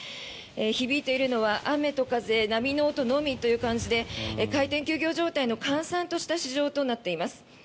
響いているのは雨と風波の音のみということで開店休業状態の閑散とした市場となっています。